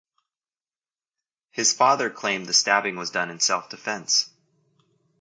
His father claimed the stabbing was done in self-defense.